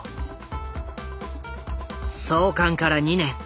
創刊から２年。